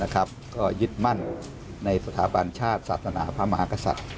ก็ยืดมั่นในสถาบันชาติศาสตร์ศาสนาพระมหาสัตว์